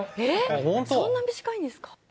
えっそんな短いんですか？